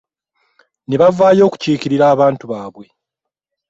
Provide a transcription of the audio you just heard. Ne bavaayo okukiikirira abantu baabwe.